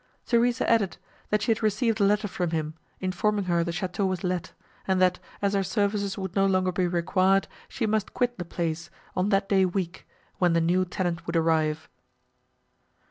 "Theresa added, That she had received a letter from him, informing her the château was let, and that, as her services would no longer be required, she must quit the place, on that day week, when the new tenant would arrive."